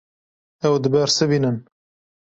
Ew dibersivînin.